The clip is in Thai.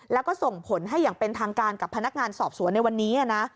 แล้วก็ส่งผลให้อย่างเป็นทางการกับพนักงานสอบสวนในวันนี้นะ